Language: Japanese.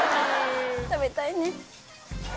食べたいね。